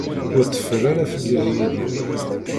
Ur teffer ara fell-i, a Yidir.